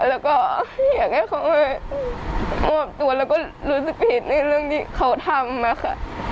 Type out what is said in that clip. แล้วก็อยากให้เขามอบตัวแล้วก็รู้สึกผิดในเรื่องที่เขาทำนะคะ